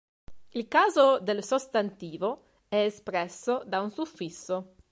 Il caso del sostantivo è espresso da un suffisso.